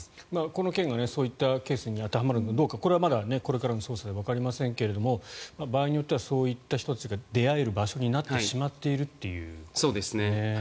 この件はそういったケースに当てはまるかどうかはこれからの捜査でわかりませんが、場合によってはそういった人たちが出会える場所になってしまっているという。